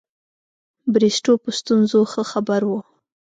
بریسټو په ستونزو ښه خبر وو.